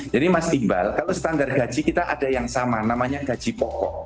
jadi mas iqbal kalau standar gaji kita ada yang sama namanya gaji pokok